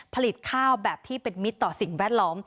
ผลิตข้าวแบบที่เป็นมิตรต่อสิ่งแวดล้อม